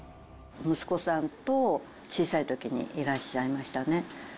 息子さんと、小さいときにいらっしゃいましたね。